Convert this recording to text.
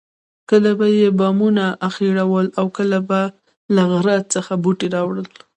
کله به یې بامونه اخیړول او کله له غره څخه بوټي راوړل.